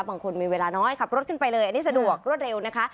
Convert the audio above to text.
บางคนมีเวลาน้อยขับรถขึ้นไปเลยอันนี้สะดวกรวดเร็วนะคะ